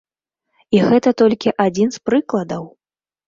І гэта толькі адзін з прыкладаў.